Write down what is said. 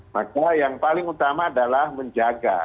maka yang paling utama adalah menjaga